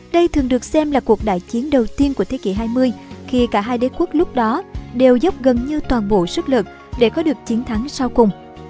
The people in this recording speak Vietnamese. đây thường được xem là cuộc đại chiến đầu tiên của thế kỷ hai mươi khi cả hai đế quốc lúc đó đều dốc gần như toàn bộ sức lực để có được chiến thắng sau cùng